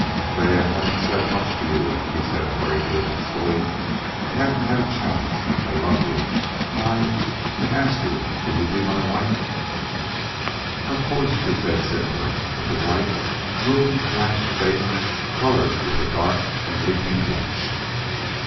"Fay, I haven't said much to you," he said, hurriedly, huskily. "I haven't had a chance. I love you. I I ask you will you be my wife?" "Of course," she said, simply, but the white, moon blanched face colored with a dark and leaping blush.